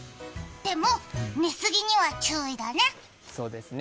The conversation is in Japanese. でも、寝過ぎには注意だね。